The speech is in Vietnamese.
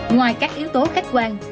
ngoài các yếu tố khách quan